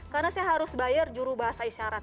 karena saya harus bayar juru bahasa isyarat